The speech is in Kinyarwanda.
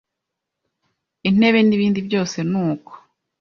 intebe n’ibindi byose nuko